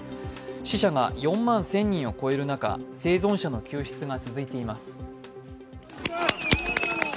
死者が４万１０００人を超える中生存者の救出が続いています。